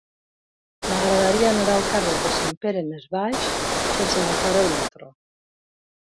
M'agradaria anar al carrer de Sant Pere Més Baix sense agafar el metro.